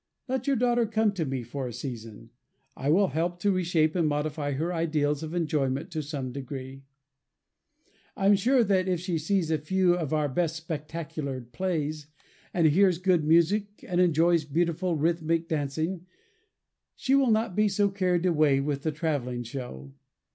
Let your daughter come to me for a season. I will help to reshape and modify her ideals of enjoyment to some degree. I am sure if she sees a few of our best spectacular plays, and hears good music, and enjoys beautiful rhythmic dancing, she will not be so carried away with the travelling show.